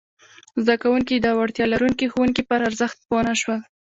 زده کوونکي د وړتیا لرونکي ښوونکي پر ارزښت پوه نه شول!